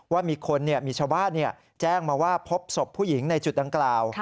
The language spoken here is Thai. ว่ามีคนมีชาวบ้านแจ้งมาว่าพบศพผู้หญิงในจุดดังกล่าว